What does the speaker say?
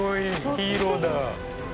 ヒーローだ。